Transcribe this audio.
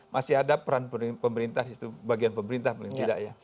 masih ada peran pemerintah di situ bagian pemerintah paling tidak ya